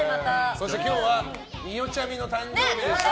そして今日はによちゃみの誕生日でした。